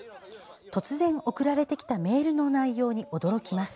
突然送られてきたメールの内容に驚きます。